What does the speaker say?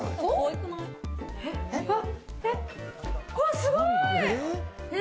すごい！